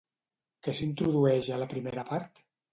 Què s'introdueix a la primera part?